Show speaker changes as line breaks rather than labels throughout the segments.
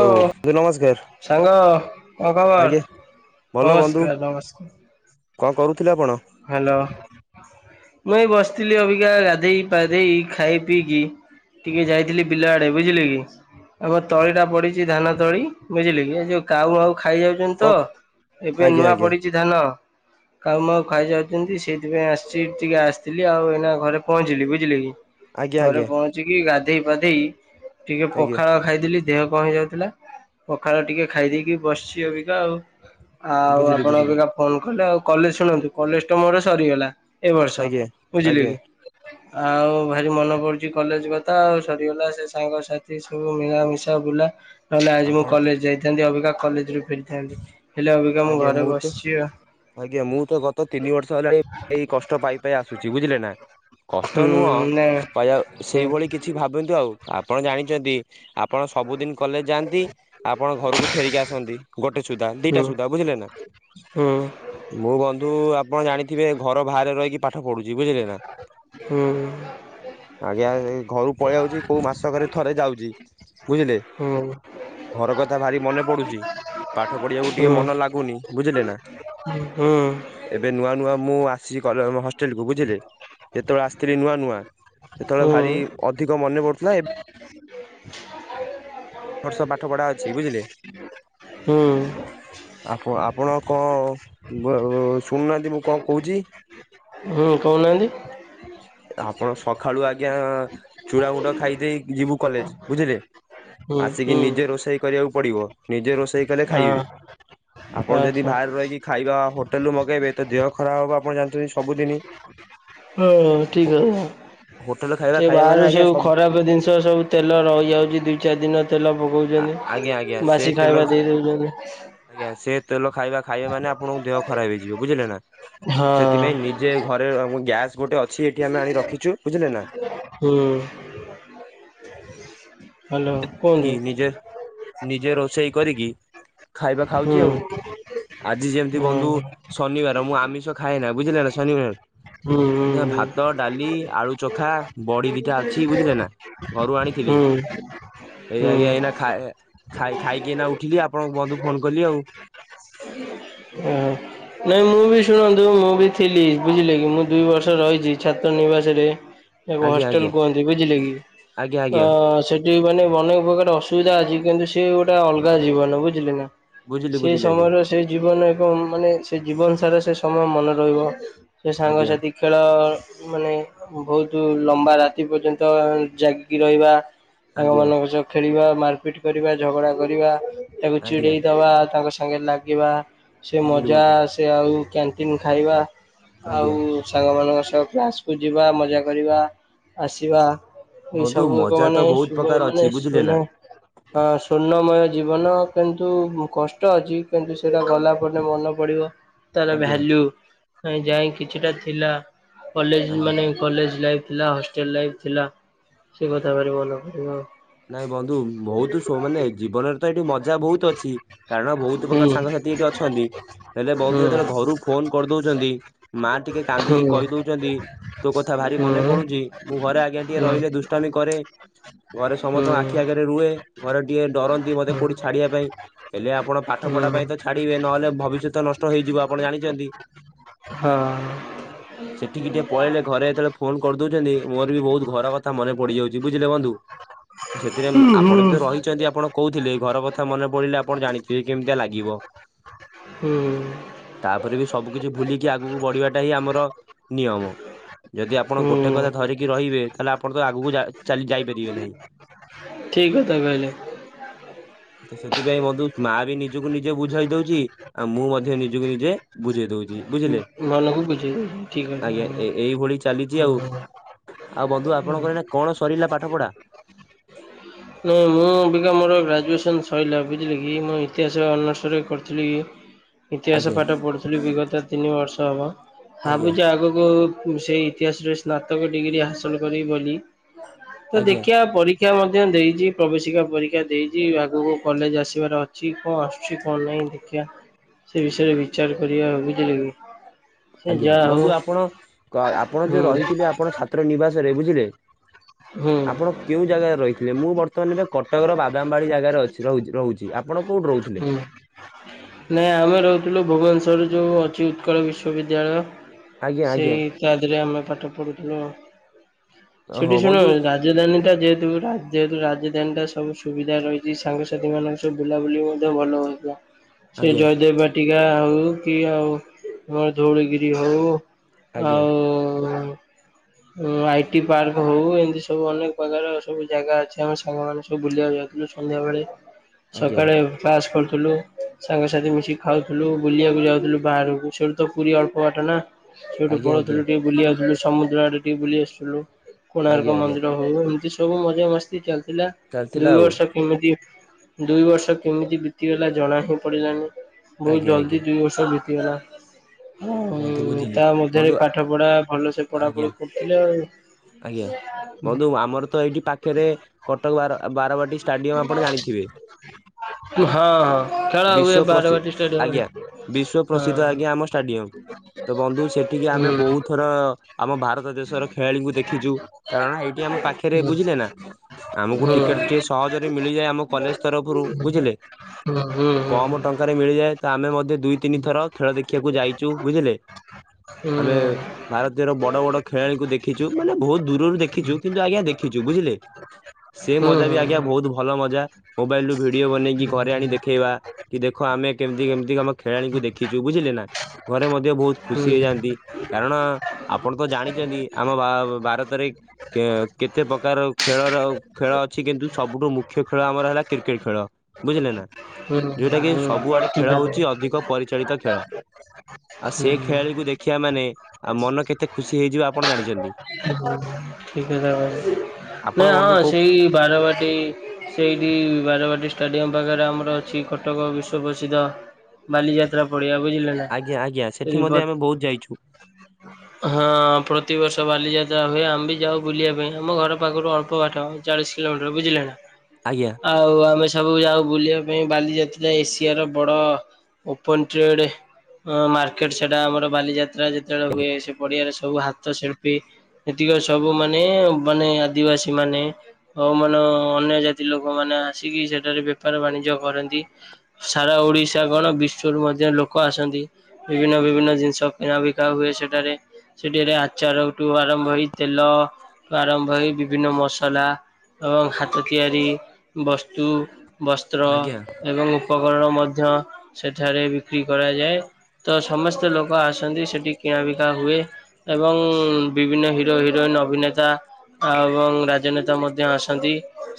ହଉ ବନ୍ଧୁ ନମସ୍କାର
ସାଙ୍ଗ କଣ
ଆଜ୍ଞା
ଖବର?
ଭଲ ବନ୍ଧୁ
ନମସ୍କାର ନମସ୍କାର।
କଣ କରୁଥିଲେ ଆପଣ?
ହ୍ୟାଲୋ! ମୁଁ ଏଇ ବସି ଥିଲି ଅବିକା ଗାଧେଇ ପାଧେଇ ଖାଇ ପିଇକି। ଟିକେ ଯାଇଥିଲି ବିଲା ଆଡେ। ବୁଝିଲେ କି! ଆମ ତଳି ଟା ପଡିଛି। ଧାନତଳି ବୁଝିଲେ କି ଯୋଉଁ କାଉ ମାଉ ଖାଇଯାଉଛନ୍ତି ତ
କଣ
ଏବେ
ଆଜ୍ଞା
ନୂଆ
ଆଜ୍ଞା
ପଡିଛି ଧାନ କାଉ ମ ଖାଇଯାଉଛନ୍ତି ସେଇଥିପାଇଁ ଆସି ଟିକେ ଆସିଥିଲି ଆଉ ଏଇନା ଘରେ ପହଞ୍ଚିଲି, ବୁଝିଲେ କି।
ଆଜ୍ଞା
ଘରେ
ଆଜ୍ଞା
ପହଞ୍ଚିକି ଗାଧେଇ ପାଧେଇ ଟିକେ
ଆଜ୍ଞା
ପଖାଳ ଖାଇଦେଲି। ଦେହ କଣ ହେଇଯାଉଥିଲା। ପଖାଳ ଟିକେ ଖାଇଦେଇକି ବସିଛି ଅବିକା ଆଉ। ଆଉ
ବୁଝିଲି
ଆପଣ
ବୁଝିଲି
ଅଭିକା ଫୋନ କଲେ ଆଉ କଲେଜ ଶୁଣନ୍ତୁ କଲେଜ ମୋର ସରିଗଲା। ଏ ବର୍ଷ,
ଆଜ୍ଞା
ବୁଝିଲେ
ଆଜ୍ଞା
କି। ଆଉ ଭାରି ମନେ ପଡୁଚି, କଲେଜ କଥା ଆଉ ସରିଗଲା ସେ ସାଙ୍ଗସାଥି ସବୁ ମିଳାମିଶା ବୁଲା ନହଲେ ଆଜି ମୁଁ
ଆପଣ
କଲେଜ ଯାଇଥାନ୍ତି। ଅବିକା କଲେଜ ରୁ ଫେରିଥାନ୍ତି, ହେଲେ ଅବିକା ମୁଁ
ଆଜ୍ଞା
ଘରେ
ତ
ବସିଚି ଆ।
ଆଜ୍ଞା ମୁଁ ତ ଗତ ତିନି ବର୍ଷ ହେଲାଣି ଏଇ କଷ୍ଟ ପାଇ ପାଇ ଆସୁଚି, ବୁଝିଲେ ନା। କଷ୍ଟ ନୁହଁ
ହୁଁ ନା
କହିଯା
ହଁ
ସେଇଭଳି କିଛି ଭାବନ୍ତୁ ଆଉ ଆପଣ ଜାଣିଛନ୍ତି ଆପଣ ସବୁଦିନ କଲେଜ ଯାଆନ୍ତି, ଆପଣ ଘରକୁ ଫେରିକି ଆସନ୍ତି। ଗୋଟେ ସୁଧା ଦିଟା
ହୁଁ
ସୁଧା ବୁଝିଲେ ନା,
ହୁଁ
ମୁଁ ବନ୍ଧୁ ଆପଣ ଜାଣିଥିବେ ଘର ବାହାରେ ରହିକି ପାଠ ପଢୁଛି। ବୁଝିଲେ ନା।
ହୁଁ
ଆଜ୍ଞା, ଘରୁ ପଳେଇଆଉଛି କୋଉ ମାସକରେ ଥରେ ଯାଉଛି, ବୁଝିଲେ।
ହୁଁ
ଘର କଥା ଭାରି ମନେ ପଡୁଚି। ପାଠ ପଢିବାକୁ ଟିକେ
ହୁଁ
ମନ ଲାଗୁନି, ବୁଝିଲେ ନା।
ହୁଁ
ଏବେ ନୂଆ ନୂଆ ମୁଁ ଆସିଚି କଲେ ହଷ୍ଟେଲକୁ। ବୁଝିଲେ। ଯେତେବେଳେ ଆସିଥିଲି ନୂଆ ନୂଆ ସେତେବେଳେ
ହୁଁ
ଭାରି ଅଧିକ ମନେପଡୁଥିଲା। ଏବ୍ ବର୍ଷ ପାଠ ପଢା ଅଛି, ବୁଝିଲେ।
ହଁ।
ଆପଣ ଆପଣ କଣ ଶୁଣୁନାହାନ୍ତି ମୁଁ କଣ କହୁଚି।
ହଁ କହୁନାହାନ୍ତି?
[unintelligible] ଆପଣ ସକାଳୁ ଆଜ୍ଞା ଚୂଡ଼ଗୁଣ୍ଡ ଖାଇଦେଇ ଯିବୁ କଲେଜ, ବୁଝିଲେ।
ହୁଁ
ଆସିକି
ହୁଁ
ନିଜେ ରୋଷେଇ କରିବାକୁ ପଡିବ, ନିଜେ ରୋଷେଇ କଲେ
ହଁ
ଖାଇବେ। ଆପଣ ଯଦି
ଆଚ୍ଛା
ବାହାରେ ରହିକି ଖାଇବା ହୋଟେଲରୁୁ ମଗେଇବେ ତ ଦେହ ଖରାପ ହବ ଆପଣ ଜାଣି
ହଁ ହ ଠିକ୍ କହା
ହୋଟେଲ ଖାଇବା
ସେ
ଖାଇବା ମାନେ
ବାହାରୁ
ଆଜ୍ଞା
ସବୁ ଖରାପ ଜିନିଷ ସବୁ ତେଲ ରହିଯାଉଛି ଦୁଇ ଚାରି ଦିନ ତେଲ
ଆ ଆଜ୍ଞା ଆଜ୍ଞା
ପକାଉଛନ୍ତି,
ସେ
ବାସି ଖାଇବା
ତେଲରୁ
ଦେଇଦେଉଚନ୍ତି।
ଆଜ୍ଞା, ସେ ତେଲ ଖାଇବା ଖାଇବେମାନେ ଆପଣଙ୍କ ଦେହ ଖରାପ ହେଇଯିବ ବୁଝିଲେ ନା,
ହଁ।
ସେଥିପାଇଁ ଯେ ଘରେ ଗ୍ୟାସ୍ ଗୋଟେ ଅଛି ଏଠି ଆମେ ଆଣି ରଖିଚୁ ବୁଝିଲେ ନା। [inaudible]
ହୁଁ [inaudible] କୁହନ୍ତୁ
ନିଜ ନିଜେ ରୋଷେଇ କରିକି ଖାଇବା ଖାଉଛି ଆଉ
ହୁଁ।
ଆଜି ଯେମିତି
ହୁଁ
ବନ୍ଧୁ ଶନିବାର ମୁଁ ଆମିଷ ଖାଏନା, ବୁଝିଲ ନା
ହୁଁ
ଶନିବାର
ହୁଁ
ଭାତ, ଡାଲି, ଆଳୁ ଚଖା, ବଡି ଦିଟା ଅଛି ବୁଝିଲେ ନା। ଘରୁ
ହୁଁ
ଆଣିଥିଲି,
ହୁଁ
ଏଇ ଆଜ୍ଞା
ହୁଁ।
ଏଇନା ଖାଇାଇ ଖାଇକି ଏଇନା ଉଠିଲି ଆପଣକୁ
ହ ନାଇଁ ମୁଁ ବି ଶୁଣନ୍ତୁ ମୁଁ ବି ଥିଲି ବୁଝିଲେ କି ମୁଁ ଦୁଇ ବର୍ଷ ରହିଚି ଛାତ୍ର ନିବାସରେ ଏକ
ଆଜ୍ଞା
ହଷ୍ଟେଲ
ଆଜ୍ଞା
କୁହନ୍ତି, ବୁଝିଲେ କି
ଆଜ୍ଞା
ଅ
ଆଜ୍ଞା
ସେଠି ମାନେ ଅନେକ ପ୍ରକାର ଅସୁବିଧା ଅଛି କିନ୍ତୁ ସିଏ ଗୋଟେ ଅଲଗା ଜୀବନ ବୁଝିଲେ ନା।
ବୁଝିଲି
ସେଇ
ବୁଝିଲି ଆଜ୍ଞା
ସମୟରେ ସେଇ ଜୀବନ ଏକ ମାନେ ସେ ଜୀବନ ସାରା ସେ ସମୟ ମନେ ରହିବ। ସେ
ଆଜ୍ଞା
ସାଙ୍ଗସାଥି ଖେଳ ମାନେ ବହୁତ ଲମ୍ବା ରାତି ପର୍ଯ୍ୟନ୍ତ ଜାଗିକି ରହିବା
ଆଜ୍ଞା
ସାଙ୍ଗମାନଙ୍କ ସହ ଖେଳିବା ମାରପିଟ କରିବା ଝଗଡ଼ା କରିବା ତାକୁ
ଆଜ୍ଞା
ଚିଡ଼େଇ ଦବା ତାଙ୍କ ସାଙ୍ଗେ ଲାଗିବା ସେ
ବୁଝିଲି
ମଜା
ବନ୍ଧୁ
ସେ ଆଉ କ୍ୟାଣ୍ଟିନ୍ ଖାଇବା ଆଉ
ଆଜ୍ଞା
ସାଙ୍ଗମାନଙ୍କ ସହ କ୍ଲାସକୁୁ ଯିବା ମଜା କରିବା ଆସିବା। ଏ
ବନ୍ଧୁ
ସବୁ ଏକ
ମଜା ତ
ମାନେ
ବହୁତ
ଶୁଭ
ପ୍ରକାର
ମାନେ
ଅଛି
ସୁ
ବୁଝିଲେ ନା
ଜୀବନ କିନ୍ତୁ କଷ୍ଟ ଅଛି, କିନ୍ତୁ ସେଇଟା ଗଲା ପରେ ମନେ ପାଡ଼ିବ ତାର
ଆଜ୍ଞା
ଭାଲ୍ୟୁ ଯାଇ କିଛିଟା ଥିଲା, କଲେଜ
ଆଜ୍ଞା
ମାନେ କଲେଜ ଲାଇଫ ଥିଲା ହଷ୍ଟେଲ ଲାଇଫ ଥିଲା ସେ କଥାଭାରି ମାନେ ପଡ଼ିବ ଆଉ
ନାଇଁ ବନ୍ଧୁ ବହୁତ ମାନେ ଜୀବନରେ ତ ଏଠି ମଜା ବହୁତ ଅଛି କାରଣ ବହୁତ ପ୍ରକାର ସାଙ୍ଗସାଥି ଏଠି ଅଛନ୍ତି, ହେଲେ ବହୁତ ଯେତେବେଳେ ଘରକୁ ଫୋନ କରିଦଉଛନ୍ତି ମା ଟିକେ କାନ୍ଦିକି କହି ଦଉଛନ୍ତି, ତୋ କଥା ଭାରି ମନେ ପଡୁଛି, ମୁଁ ଘରେ ଆଗେ ଟିକେ ରହି ଦୁଷ୍ଟାମି ପରେ
ହ [inaudible]
ସମସ୍ତଙ୍କ ଆଖି ଆଗରେ ରୁହେ, ଘରେ ଟିକେ ଡରନ୍ତି ବୋଧେ କୋଉଠି ଛାଡ଼ିବାକୁ ହେଲେ ଆପଣ ପାଠ ପଢ଼ା ପାଇଁ ତ ଛାଡିବେ ନହେଲେ ଭବିଷ୍ୟତ ନଷ୍ଟ ହେଇଯିବ ଆପଣ ଜାଣିଛନ୍ତି।
ହଁ।
[inaudible] ସେଠିକି ଟିକେ ପଳେଇଲେ ଘରେ ଯେତେବେଳେ ଫୋନ କରିଦଉଛନ୍ତି, ମୋର ବି ବହୁତ ଘର କଥା ମନେ ପଡ଼ିଯାଉଛି। ବୁଝିଲେ ବନ୍ଧୁ। ସେଥିରେ ଆପଣ ବି ତ ରହିଛନ୍ତି ଆପଣ କହୁଥିଲେ, ଘର କଥା ମନେ ପଡ଼ିଲେ ଆପଣ ଜାଣିଥିବେ କେମିତିଆ ଲାଗିବ। [inaudible]
ହୁଁ।
ତାପରେ ବି ସବୁ କିଛି ଭୁଲିକି ଆଗକୁ ବଢ଼ିବାଟା ହିଁ ଆମର ନିୟମ ଯଦି ଆପଣ ଗୋଟେ କଥା ଧରିକି ରହିବେ ତାହେଲେ ଆପଣ ତ ଆଗକୁ ଚା-ଯାଇପାରିବେ ନାହିଁ
ଠିକ୍ ଅ ତାମ ହେଲେ [unintelligible]
ହଁ। ତ ସେଥିପାଇଁ ବନ୍ଧୁ ମା ବି ନିଜକୁ ନିଜେ ବୁଝେଇ ଦଉଛି ଆଉ ମୁଁ ମଧ୍ୟ ନିଜକୁ ନିଜେ ବୁଝେଇ ଦଉଛି ବୁଝିଲେ
ମନକୁ ବୁଝେଇ ଦଉଚି ଠିକ କଥା।
ଆଜ୍ଞା ଏ -ଏଇଭଳି ଚାଲିଛି ଆଉ ଆଉ ବନ୍ଧୁ
ହୁଁ।
ଆପଣଙ୍କର ନା କଣ ସରିଲା ପାଠ ପଢ଼ା?
ନଁ ମୁଁ ଅଭିକା ମୋର ଗ୍ରାଜୁଏସନ୍ ସରିଲା ବୁଝିଲେ କି ମୁଁ ଇତିହାସ ଅନର୍ସରେ କରିଥିଲି ଇତିହାସ
ଆଜ୍ଞା
ପାଠ ପଢୁଥିଲୁ ବିଗତ ତିନି ବର୍ଷ ହବ,
ଆଜ୍ଞା
ଭାବୁଛି ଆଗକୁ ମୁ ସେଇ ଇତିହାସ ରେ ସ୍ନାତକ ଡ଼ିଗ୍ରୀ ହାସଲ କରିିବି ବୋଲି ତ
ଆଜ୍ଞା
ଦେଖିବା ପରୀ କ୍ଷା ମଧ୍ୟ ଦେଇଛି ପ୍ରବେଶିକା ପରୀକ୍ଷା ଦେଇଛି, ଆଗକୁ କଲେଜ ଆସିବାର ଅଛି କଣ ଆସୁଛି କଣ ନାହିଁ ସେ ବିଷୟରେ ବିଚାର କରିବା ବୁଝିଲ କି? ସେ
ଆଜ୍ଞା
ଯାହା ହଉ
ବନ୍ଧୁ ଆପଣ -ଆପଣ
ହୁଁ
ଯୋଉ ରହିଥିଲେ ଆପଣ ଛାତ୍ର ନିବାସ ରେ ବୁଝିଲେ
ହୁଁ
[inaudible] ଆପଣ କେଉଁ ଜାଗାରେ ରହିଥିଲେ, ମୁଁ ବର୍ତ୍ତମାନ ଏବେ କଟକର ବାଦାମବାଡ଼ି ଜାଗାରେ ଅଛି - ରହି -ରହୁଛି ଆପଣ କୋଉଠି ରହୁଥିଲେ?
ହୁଁ। ନାଇଁ ଆମେ ରହୁଥିଲୁ ଭୁବନେଶ୍ଵର ଯୋଉ ଅଛି ଉତ୍କଳ ବିଶ୍ଵବିଦ୍ୟାଳୟ
ଆଜ୍ଞା ଆଜ୍ଞା
ସେଇ ତାଦିହରେ ଆମେ ପାଠ ପଢୁଥିଲୁ।
ଓହୋ
ସେଠି ଶୁଣ
ବନ୍ଧୁ
ରାଜଧାନୀଟା ଯେହେତୁ ଯେହେତୁ ରାଜଧାନୀଟା ସବୁ ସୁବିଧା ରହିଛି ସାଙ୍ଗସାଥି ମାନଙ୍କ ସବୁ ବୁଲାବୁଲି ମଧ୍ୟ ଭଲ ହୋଇଥା ସେ
ଆଜ୍ଞା
ଜୟଦେବ ବାଟିକା ହଉ କି ଆଉ ଧଉଳିଗିରି ହଉ
ଆଜ୍ଞା
ଆଉ ଆଇଟି ପାର୍କ ହଉ, ଏମିତି ସବୁ ଅନେକ ପ୍ରକାର ସବୁ ଜାଗା ଅଛି, ଆମ ସାଙ୍ଗ ମାନେ ସବୁ ବୁଲିବାକୁ ଯାଉ ସନ୍ଧ୍ୟା ବଳେ
ଆଜ୍ଞା
ସକାଳେ ପାସ୍ କର ଥିଲ ସାଙ୍ଗସାଥି ମିଶିକି ଖାଉଥିଲୁ ବୁଲିବାକୁ ଯାଉଥିଲୁ, ବାହାରକୁ ସେଠୁ ତ ପୁରୀ ଅଳ୍ପ ବାଟ ନା ସେଠୁ
ଆଜ୍ଞା ଆଜ୍ଞା
ପଢୁଥିଲୁ ଟିକେ ବୁଲି ଆାଉଥିଲୁ ସମୁଦ୍ର ଆଡ଼େ ଟିକେ ବୁଲି ଆସୁଥିଲୁ କୋଣାର୍କ
ଆଜ୍ଞା ଆଜ୍ଞା
ମନ୍ଦିର ହଉ, ଏମିତି ସବୁ ମଜା ମସ୍ତି ଚାଲିଥିଲା
ଚାଲିଥିଲା
ଦୁଇ
ଆଉ
ବର୍ଷ କେମିତି ଦୁଇ ବର୍ଷ କେମିତି ବିତିଗଲା, ଜଣା ହି ପଡିଲାନି ବହୁତ
ଆଜ୍ଞା
ଜଲଦି
ଆଜ୍ଞା
ଦୁଇ ବର୍ଷ ବି ତିଗଲା
ବନ୍ଧୁ ବୁଝିଲି
ତା ମଧ୍ୟରେ
ବନ୍ଧୁ
ପାଠ ପଢା ଭଲ ସେ
ଆଜ୍ଞା
ପଢାପଢି ଉଠିଲା
ଆଜ୍ଞା ବନ୍ଧୁ ଆମର ତ ଏଇଠି ପାଖରେ କଟକ ବାରବାଟୀ ଷ୍ଟାଡିୟମ ଆପଣ ଜାଣିଥିବେ।
ହଁ ହଁ ଖେଳା
ବିଶ୍ଵ
ହୁଏ,
ପ୍ରସି
ବାରାବାଟି ଷ୍ଟାଡିୟମରେ।
ଆଜ୍ଞା ବିଶ୍ଵ ପ୍ରସିଦ୍ଧ ଆଜ୍ଞା
ହଁ
ଆମ ଷ୍ଟାଡିୟମ ତ ବନ୍ଧୁ ସେଠିକି ଆମେ
ହୁଁ
ବହୁତଥର ଆମ ଭାରତ ଦେଶର ଖେଳାଳିଙ୍କୁ ଦେଖିଛୁ କାରଣ ଏଇଠି ଆମ ପାଖରେ
ହୁଁ।
ବୁଝିଲେ ନା ଆମକୁ ଟିକେଟ ଟିକେ ସହଜ ଯଦି ମିଳିଯାଏ ଆମ କଲେଜ ତରଫରୁ ବୁଝିଲେ। କମ ଟଙ୍କାରେ ମିଳିଯାଏ ତ ଆମେ ମଧ୍ୟ ଦୁଇ ତିନି ଥର ଖେଳ ଦେଖିବାକୁ ଯାଇ ଯୋଉ ବୁଝିଲେ ଆମେ ଭାରତର ବଡ ବଡ ଖେଳାଳିକୁ ଦେଖିଛୁ ମାନେ ବହୁତ ଦୂରରୁ ଦେଖିଛୁ, କିନ୍ତୁ ଆଜ୍ଞା ଦେଖିଛୁ ବୁଝିଲେ ସେ ମଜା ବି ଆଜ୍ଞା ବହୁତ ଭଲ ମଜା ମୋବାଇଲ ରୁ ଭିଡିଓ ବନେଇକି ଘରେ ଆଣି ଦେଖେଇବା କି ଦେଖ ଆମେ କେମିତି କେମିତି ଆମ ଖେଳାଳିକୁ ଦେଖିଛୁ ବୁଝିଲେ ନା। ଘରେ ମଧ୍ୟ ବହୁତ ଖୁସି ହେଇଯାଆନ୍ତି କାରଣ ଆପଣ ତ ଜାଣିଛନ୍ତି ଆମ ଭାରତରେ କେତେ ପ୍ରକାର ଖେଳର ଖେଳ ଅଛି କିନ୍ତୁ। ସବୁଠୁ ମୁଖ୍ୟ ଖେଳ ଆମର ହେଲା କ୍ରିକେଟ ଖେଳ ବୁଝିଲେ ନା ଯଉଟା କିି ସବୁଆଡେ ଖେଳ ହଉଛି ଅଧିକ ପରିଚାଳିତ ଖେଳ। ଆଉ ସେ ଖେଳାଳିକୁୁ ଦେଖିବା ମାନେ ଆଉ ମନ କେତେ ଖୁସି ହେଇଯିବ ଆପଣ ଜାଣିଛନ୍ତି
ହ ଠିକଥା ଭାଇ।
ଆପଣ
ନାଇ ହଁ
ବନ୍ଧୁ କୋଉ
ସେଇ ବାରବାଟୀ ସେଇଠି ବାରବାଟୀ ଷ୍ଟାଡିୟମ। ପାଖରେ ଆମର ଅଛି କଟକ ବିଶ୍ୱ ପ୍ରସିଦ୍ଧ ବାଲିଯାତ୍ରା ପଡିିଆ ବୁଝିଲେ ନା
ଆଜ୍ଞା ଆଜ୍ଞା ସେଠି
ସେ
ମଧ୍ୟ ଆମେ ବହୁତ ଯାଇଛୁ
ହଁ। ବର୍ଷ ବାଲିଯାତ୍ରା ହୁଏ ଆମେବି ଯାଉ ବୁଲିବା ପାଇଁ। ଆମ ଘର ପାଖରୁ ଅଳ୍ପ ବାଟ ଚାଳିଶ କିଲୋମିଟର ବୁଝିଲେ ନା?
ଆଜ୍ଞା
ଆଉ ଆମେ ସବୁ ଯାଉ ବୁଲିବା ପାଇଁ ବାଲିଯାତ୍ରା ଏସିଆର ବଡ ଓପନ ଟ୍ରେଡ଼୍। ହଁ ମାର୍କେଟ ସେଟା ଆମର ବାଲିଯାତ୍ରା ଯେତେବେଳେ ହୁଏ ସେ ପଡିଆରେ ସବୁ ହା ହସ୍ତ ଶିଳ୍ପୀ ଏତିକ ସବୁ ମାନେ ମାନେ ଆଦିବାସୀ ମାନେ ଆଉ ମାନ ଅନ୍ୟ ଜାତି ଲୋକମାନେ ଆସିକି ସେଠାରେ ବେପାର ବାଣିଜ୍ୟ କରନ୍ତି ସାରା ଓଡିଶା କଣ ବି ରୁ ମଧ୍ୟ ଲୋକ ଆସନ୍ତି ବିଭିନ୍ନ ବିଭିନ୍ନ ଜିନିଷ କିଣା ବିକା ହୁଏ ସେଠାରେ ସେଠରେ ଚାରଠୁ ଆରମ୍ଭ ହେଇ ତେଲ ଆରମ୍ଭ ହେଇ ବିଭିନ୍ନ ମସଲା। ଏବଂ ହାତ ତିଆରି ବସ୍ତୁ ବସ୍ତ୍ର
ଆଜ୍ଞା
ଏବଂ ଉପ ଗଣ ମଧ୍ୟ ସେଠାରେ ବିକ୍ରି କରାଯାଏ। ତ ସମସ୍ତେ ଲୋକ ଆସନ୍ତି ସେଠି କିଣାବିକା ହୁଏ। ଏବଂ ବିଭିନ୍ନ ହିରୋ ହିରୋଇନ ଅଭିନେତା ଆ ଏବଂ ରାଜନେତା ମଧ୍ୟ ଆସନ୍ତି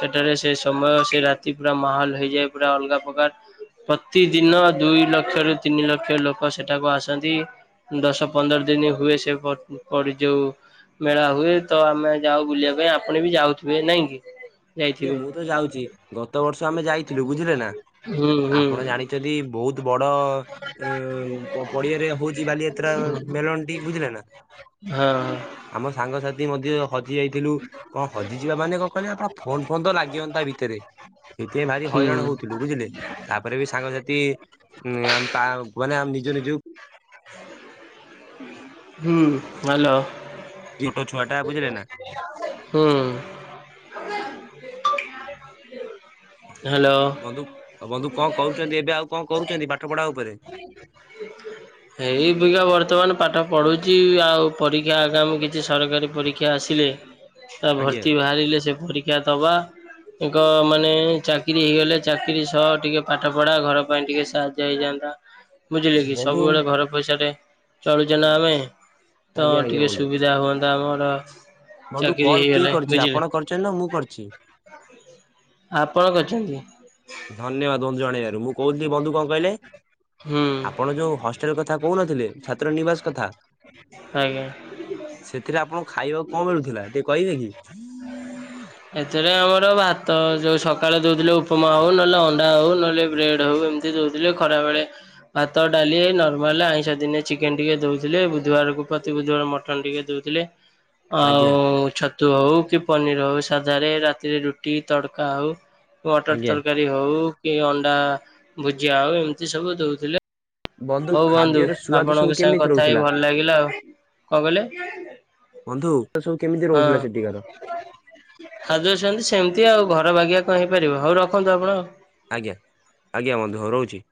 ସେଠାରେ ସେ ସମୟ ସେ ରାତି ପୁରା ମାହଲ ହେଇଯାଏ। ପୁରା ଅଲଗା ପ୍ରକାର। ପ୍ରତିଦିନ ଦୁଇ ଲକ୍ଷରୁ ତିନି ଲକ୍ଷ ଲୋକ ସେଠାକୁ ଆସନ୍ତି। ଦଶ ପନ୍ଦର ଦିନ ହୁଏ ସେ ପଡି ଯୋଉ ମେଳା ହୁଏ ତ ଆମେ ଯାଉ ବୁଲିବା ପାଇଁ। ଆପଣ ବି ଯାଉଥିବେ ନାଇଁ କି?
ଆଜ୍ଞା
ଯାଇଥିବେ।
ମୁଁ ତ ଯାଉଛି ଗତ ବର୍ଷ ଆମେ ଯାଇଥିଲୁ ବୁଝିଲେ ନା।
ହୁଁ ହୁଁ
ଆପଣ ଜାଣିଛନ୍ତି ବହୁତ ବଡ ଅ ପଡିଆରେ ହଉଛି ବାଲିଯାତ୍ରା।
ହୁଁ
ମେଲନ୍ ଟି ବୁଝିଲେ ନା।
ହଁ।
ଆମ ସାଙ୍ଗସାଥି ମଧ୍ୟ ହଜି ଯାଇଥିଲୁ କଣ ହଜିଯିବା ମାନେ କଣ କରିବା ଫୋନ ଫୋନ ତ ଲାଗିବନି ତା ଭିତରେ। ସେଥିପାଇଁ ଭାରି
ହୁଁ
ହଇରାଣ ହଉଥିଲୁ ବୁଝିଲେ ତାପରେ ବି ସାଙ୍ଗସାଥି ଉ ମାନେ ନିଜ ନିଜକୁ
ହୁଁ ହଲୋ।
ଛୋଟ ଛୁଆ ଟା ବୁଝିଲେ ନା।
ହୁଁ ହ୍ୟାଲୋ
ଆଉ ବନ୍ଧୁ ଆଉ ବନ୍ଧୁ କଣ କରୁଛନ୍ତି ଏବେ ଆଉ କଣ କରୁଛନ୍ତି ପାଠପଢା ଉପରେ।
ଏଇ ବିକା ବର୍ତ୍ତମାନ ପାଠ ପଢ଼ୁଛି ଆଉ ପରୀକ୍ଷା ଆଗାମି କିଛି ସରକାରୀ ପରୀକ୍ଷା ଆସିଲେ ତା
ଆଜ୍ଞା
ଭର୍ତ୍ତି ବାହାରିଲେ ସେ ପରୀକ୍ଷା ଦବା ଏକ ମାନେ ଚାକିରୀ ହେଇଗଲେ ଚାକିରି ସହ ଟିକେ ପାଠ ପଢା ଘର ପାଇଁ ଟିକେ ସାହାଯ୍ୟ ହେଇଯାନ୍ତା। ବୁଝିଲେ କି
ବନ୍ଧୁ
ସବୁବେଳେ ଘର ପଇସା ରେ ଚଳୁ ଯଜନା
ଆଜ୍ଞା
ଆମେ ତ
ଆଜ୍ଞା ଆଜ୍ଞା
ଟିକେ
ବନ୍ଧୁ।
ସୁବିଧା ହୁଅନ୍ତା ଆମର
ବନ୍ଧୁ
ଚାକିରି
କଲ୍ କିଏ
ହେଇଗଲେ
କରିଛି?
ବୁଝିଲେ
ଆପଣ କରିଛନ୍ତି ନା ମୁଁ କରିଛି?
ଆପଣ କରିଛନ୍ତି।
ଧନ୍ୟବାଦ ବନ୍ଧୁ ଜଣେଇବାରୁ ମୁଁ କହୁଥିଲି ବନ୍ଧୁ କଣ କହିଲେ?
ହୁଁ
ଆପଣ ଯୋଉ ହଷ୍ଟେଲ କଥା କହୁନଥିଲେ ଛାତ୍ର ନିବାସ କଥା
ଆଜ୍ଞା।
ସେଥିରେ ଆପଣ ଖାଇବାକୁ କଣ ମିଳୁଥିଲା ଟିକେ କହିବେ କି?
ଏଥିରେ ଆମର ଭାତ ଯୋଉ ସକାଳେ ଦଉଥିଲେ ଉପମା ହଉ ନହେଲେ ଅଣ୍ଡା ହଉ ନହେଲେ ବ୍ରେଡ୍ ହଉ ଏମିତି ଦଉଥିଲେ ଖରା ବେଳେ ଭାତ ଡାଲି ନର୍ମାଲ ଆଇଁଷ ଦିନେ ଚିକେନ ଟିକେ ଦଉଥିଲେ ବୁଧବାରକୁ ପ୍ରତି ବୁଧୁବାର ମଟ ଟନ ଟିକେ ଦଉଥିଲେ। ଆଉ
ଆଜ୍ଞା
ଛତୁ ହଉ କି ପନିର ହଉ ସାଧାରେ ରାତିରେ ରୁଟି ତଡକା ହଉ ମଟର
ଆଜ୍ଞା
ତରକାରୀ ହଉ କି ଅଣ୍ଡା ଭୁଜିଆ ହଉ ଏମିତି ସବୁ ଦଉଥିଲେ। ହଉ ବନ୍ଧୁ
ଖାଦ୍ୟର ସୁଆଦ ସବୁ
ଆପଣଙ୍କ ସାଙ୍ଗେ
କେମିତି
କଥା
ରହୁଥିଲା?
ହେଇି ଭଲ ଲାଗିଲା। ଆଉ କଣ କହିଲେ?
ବନ୍ଧୁ [unintelligible] ସବୁ କେମିତି ରହୁଥିଲା ସେଠିକାର?
ଖାଜୁଛନ୍ତି ସେମିତି ଆଉ ଘର ବାଗିିବା କଣ ହେଇପାରିବ। ହଉ ରଖନ୍ତୁ ଆପଣ ଆଉ
ଆଜ୍ଞା ଆଜ୍ଞା ହଁ ବନ୍ଧୁ ରହୁଛି।